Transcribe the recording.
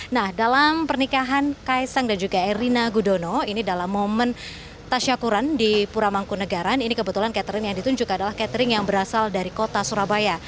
nah dalam pernikahan kaisang dan juga erina gudono ini dalam momen tasyakuran di pura mangkunagaran ini kebetulan catering yang ditunjuk adalah catering yang berasal dari kota surabaya